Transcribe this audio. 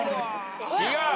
違う！